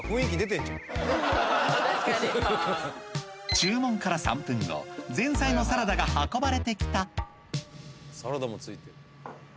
注文から前菜のサラダが運ばれてきた・サラダもついてる